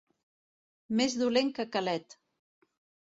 Més dolent que Calet.